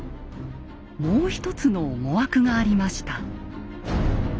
もう一つの思惑がありました。